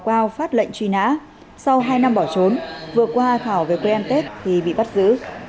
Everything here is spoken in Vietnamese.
gò quao phát lệnh truy nã sau hai năm bỏ trốn vừa qua thảo về quê em tết thì bị bắt giữ